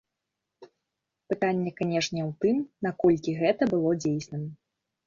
Пытанне, канешне, у тым, наколькі гэта было дзейсным.